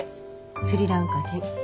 スリランカ人。